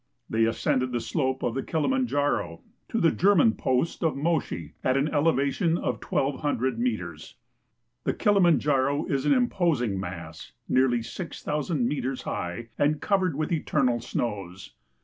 They ascended the sloju; t)f the Kilimanjaro to the (ierman jiost of Moshi, at an elevation of 1,200 meters. The Kilimanjaro is an imposing mass, nearly 0,000 meters high and covered with eti rnal snows.